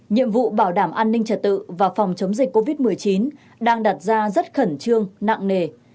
nhiệm vụ bảo đảm an ninh trật tự và phòng chống dịch covid một mươi chín đang đặt ra rất khẩn trương nặng nề